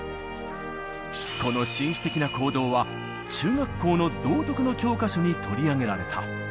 この紳士的な行動は、中学校の道徳の教科書に取り上げられた。